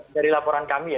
dari laporan kami ya